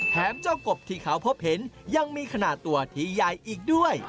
เจ้ากบที่เขาพบเห็นยังมีขนาดตัวที่ใหญ่อีกด้วย